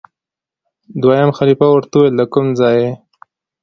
دویم خلیفه ورته وویل دکوم ځای یې؟